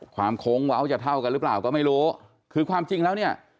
โค้งเว้าจะเท่ากันหรือเปล่าก็ไม่รู้คือความจริงแล้วเนี่ย